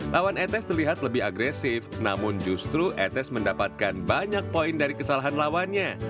lawan etes terlihat lebih agresif namun justru etes mendapatkan banyak poin dari kesalahan lawannya